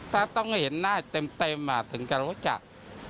ถ้าต้องให้เห็นหน้าเต็มถึงจะรู้จัก